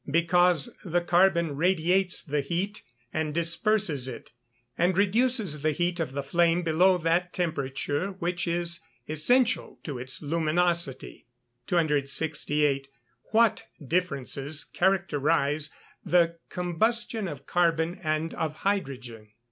_ Because the carbon radiates the heat, and disperses it, and reduces the heat of the flame below that temperature which is essential to its luminosity. 268. _What differences characterise the combustion of carbon and of hydrogen?